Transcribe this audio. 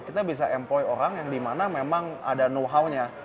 kita bisa employ orang yang dimana memang ada know how nya